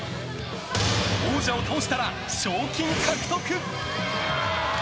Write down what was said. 王者を倒したら賞金獲得！